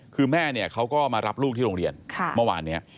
เขาก็รับลูกที่โรงเรียน